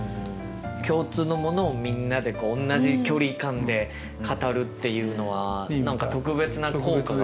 共通のものをみんなで同じ距離感で語るっていうのは何か特別な効果があるのかもしれないですね。